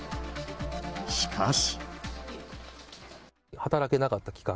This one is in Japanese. しかし。